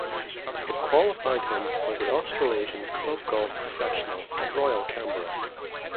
It qualified him for the Australasian Club Golf Professional at Royal Canberra.